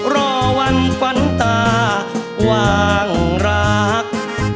รอวันฝันตาวางรัก